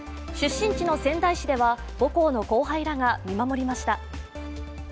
出身地の仙台市では、母校の後輩らが見守りました。